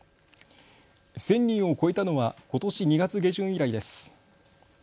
１０００人を超えたのはことし２月下旬以来です。